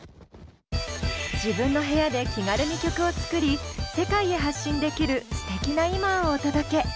自分の部屋で気軽に曲を作り世界へ発信できるすてきな今をお届け。